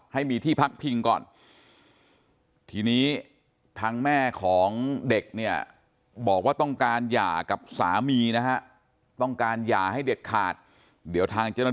ให้มีที่พักพิงก่อนทีนี้ทางแม่ของเด็กเนี่ย